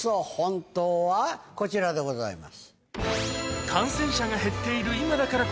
こちらでございます。